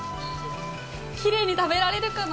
きれいに食べられるかな？